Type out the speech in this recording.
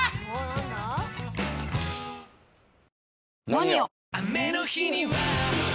「ＮＯＮＩＯ」！